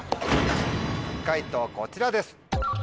解答こちらです。